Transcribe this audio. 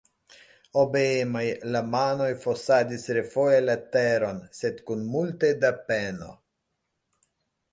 Obeemaj, la manoj fosadis refoje la teron, sed kun multe da peno.